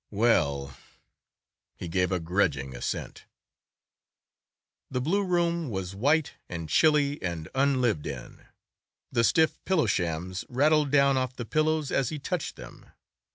"Well!" He gave a grudging assent. The blue room was white and chilly and unlived in. The stiff pillow shams rattled down off the pillows as he touched them.